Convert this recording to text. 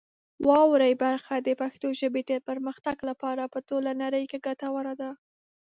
واورئ برخه د پښتو ژبې د پرمختګ لپاره په ټوله نړۍ کې ګټوره ده.